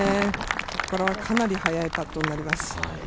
これはかなり速いパットになります。